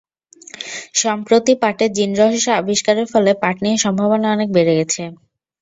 সম্প্রতি পাটের জিনরহস্য আবিষ্কারের ফলে পাট নিয়ে সম্ভাবনা অনেক বেড়ে গেছে।